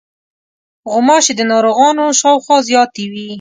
غوماشې د ناروغانو شاوخوا زیاتې وي.